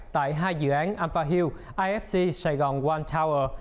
tại hai dự án alpha hill ifc sài gòn one tower